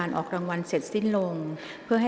กรรมการท่านที่สามได้แก่กรรมการใหม่เลขหนึ่งค่ะ